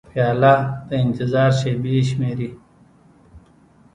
پیاله د انتظار شېبې شمېري.